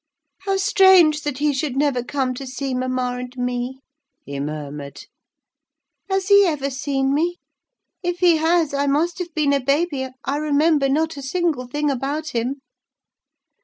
"How strange that he should never come to see mamma and me!" he murmured. "Has he ever seen me? If he has, I must have been a baby. I remember not a single thing about him!"